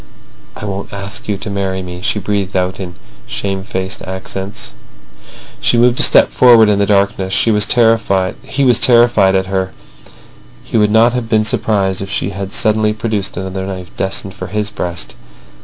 "I won't ask you to marry me," she breathed out in shame faced accents. She moved a step forward in the darkness. He was terrified at her. He would not have been surprised if she had suddenly produced another knife destined for his breast.